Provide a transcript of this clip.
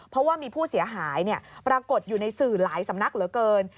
เพราะว่ามีผู้เสียหายปรากฏอยู่ในสื่อหลายสำนักเหลือเกิน